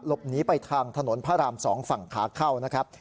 หลบหนีไปทางถนนพระราม๒ฝั่งขาเข้านะครับ